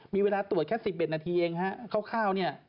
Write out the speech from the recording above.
มีเวลาตรวจแค่๑๑นาทีเองครับ